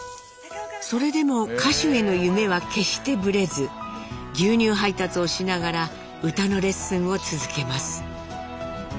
それでも歌手への夢は決してぶれず牛乳配達をしながら歌のレッスンを続けます。